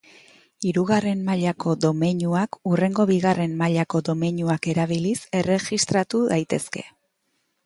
Hirugarren mailako domeinuak hurrengo bigarren mailako domeinuak erabiliz erregistratu daitezke.